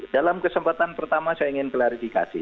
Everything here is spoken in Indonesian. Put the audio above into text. dalam kesempatan pertama saya ingin klarifikasi